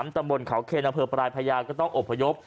ตำบลเขาเคนอำเภอปลายพญาก็ต้องอบพยพ